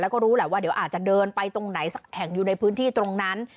แล้วก็รู้แหละว่าเดี๋ยวอาจจะเดินไปตรงไหนสักแห่งอยู่ในพื้นที่ตรงนั้น